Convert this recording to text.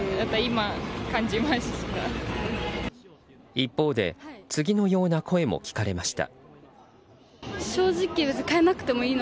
一方で次のような声も聞かれました。